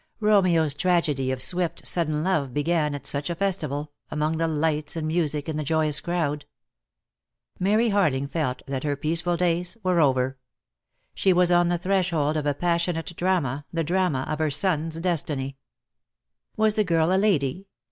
Romeo's tragedy of swift, sudden love began at such a festival, among the lights and music in the joyous crowd. Mary Harling felt that her peaceful days were over. She was on the threshold of a passionate drama, the drama of her son's destiny. Was the girl a lady?